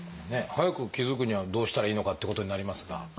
早く気付くにはどうしたらいいのかっていうことになりますが。